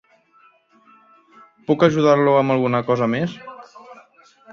Puc ajudar-lo amb alguna cosa més?